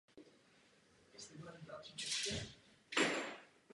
Poté začal přednášet také na Akademii výtvarných umění.